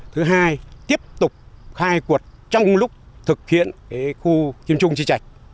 thứ hai tiếp tục khai quật trong lúc thực hiện khu kiêm trung chi trạch